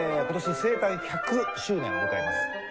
今年生誕１００周年を迎えます